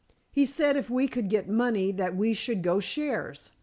He said if we could get money that we should go shares.